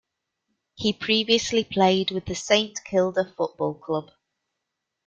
He previously played with the Saint Kilda Football Club.